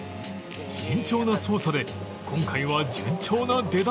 慎重な操作で今回は順調な出だし